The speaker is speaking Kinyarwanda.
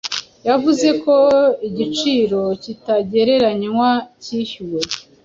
Yavuze ko igiciro kitagereranywa cyishyuwe